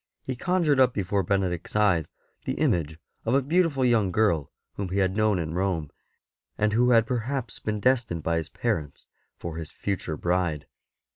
He conjured up before Benedict's eyes the image of a beautiful young girl whom he had known in Rome, and who had perhaps been destined by his parents for his future bride.